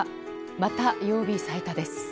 また曜日最多です。